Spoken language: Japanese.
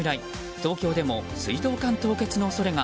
東京でも水道管凍結の恐れが。